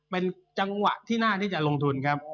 เป็นจังหวะที่น่าที่จะลงทุนครับ